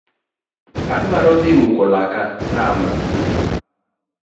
Adwaro dhi muko laka rama.